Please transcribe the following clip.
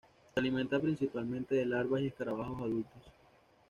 Se alimenta principalmente de larvas y escarabajos adultos.